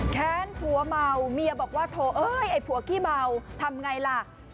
แค้นผัวเมาเมียบอกว่าโทรเอ้ยไอ้ผัวขี้เมาทำไงล่ะ